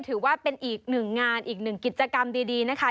ถือว่าเป็นอีกหนึ่งงานอีกหนึ่งกิจกรรมดีนะคะ